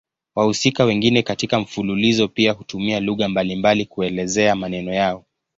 Wahusika wengine katika mfululizo pia hutumia lugha mbalimbali kuelezea maneno yao.